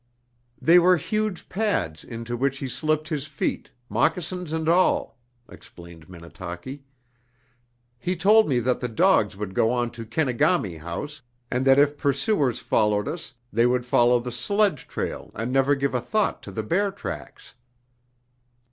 "They were huge pads into which he slipped his feet, moccasins and all," explained Minnetaki. "He told me that the dogs would go on to Kenegami House, and that if pursuers followed us they would follow the sledge trail and never give a thought to the bear tracks."